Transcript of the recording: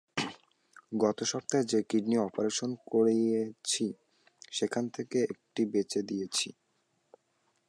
গত সপ্তাহে যে কিডনি অপারেশন করেছি সেখান থেকে একটা বেচে দিয়েছি।